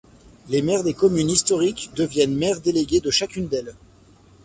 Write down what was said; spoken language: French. Les maires des communes historiques deviennent maires délégués de chacune d'elles.